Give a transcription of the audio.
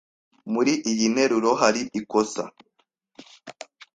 Muri iyi nteruro hari ikosa.